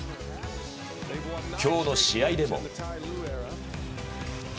今日の試合でも。